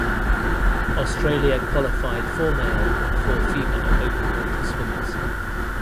Australia qualified four male and four female open water swimmers.